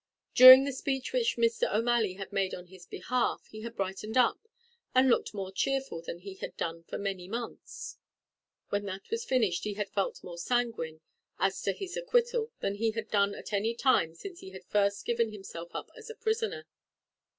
During the speech which Mr. O'Malley had made on his behalf, he had brightened up, and looked more cheerful than he had done for many months. When that was finished he had felt more sanguine as to his acquittal than he had done at any time since he had first given himself up as a prisoner.